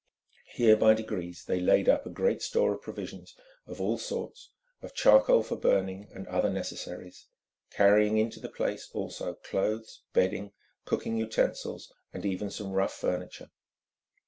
Here by degrees they laid up a great store of provisions of all sorts, of charcoal for burning, and other necessaries, carrying into the place also clothes, bedding, cooking utensils and even some rough furniture.